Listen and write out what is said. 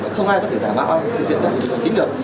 không ai có thể giả bạo thử kiện tài khoản định danh chính được